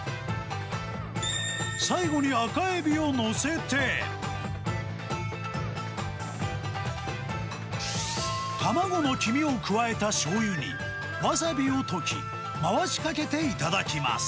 最後に赤エビを載せて、卵の黄身を加えたしょうゆにわさびを溶き、回しかけて頂きます。